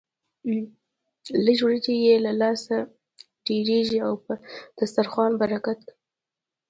لږ وريجې يې له لاسه ډېرېږي او په دسترخوان برکت کوي.